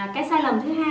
cái sai lầm thứ hai